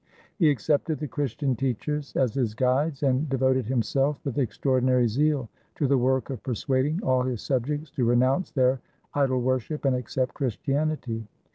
He accepted the Christian teachers as his guides, and devoted himself with extraordinary zeal to the work of persuading all his subjects to renounce their idol worship and accept Christianity.